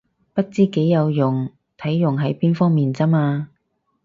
不知幾有用，睇用喺邊方面咋嘛